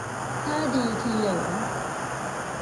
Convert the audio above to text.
ท่าดีทีเหลว